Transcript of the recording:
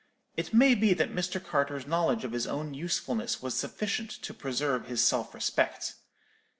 It may be that Mr. Carter's knowledge of his own usefulness was sufficient to preserve his self respect.